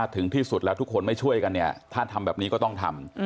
ถึงที่สุดแล้วทุกคนไม่ช่วยกันเนี่ยถ้าทำแบบนี้ก็ต้องทำ